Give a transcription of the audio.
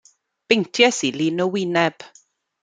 Beinties i lun o wyneb.